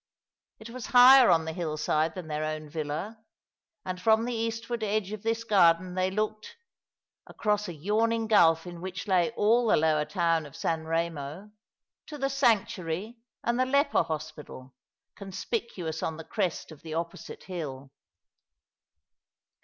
It was higher on the hillside than their own villa, and from the eastward edge of this garden they looked — across a yawning gulf in which lay all the lower town of San Eemo — to the Sanctuary and the Leper Hospital, conspicuous on the crest cf the opposite hill.